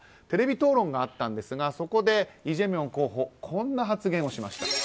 テレビ討論があったんですがそこでイ・ジェミョン候補はこんな発言をしました。